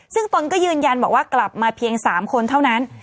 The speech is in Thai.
ซึ่งตนก็ยืนยันบอกว่ากลับมาเพียง๓คนเท่านั้น